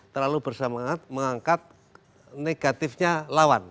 terlalu bersemangat mengangkat negatifnya lawan